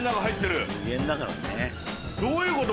どういうこと？